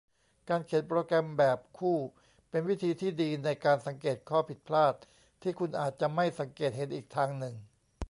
การเขียนโปรแกรมแบบคู่เป็นวิธีที่ดีในการสังเกตข้อผิดพลาดที่คุณอาจจะไม่สังเกตเห็นอีกทางหนึ่ง